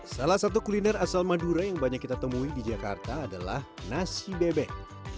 salah satu kuliner asal madura yang banyak kita temui di jakarta adalah nasi bebek